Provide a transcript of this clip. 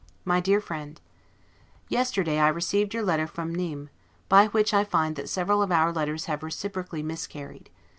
MY DEAR FRIEND: Yesterday I received your letter from Nimes, by which I find that several of our letters have reciprocally miscarried.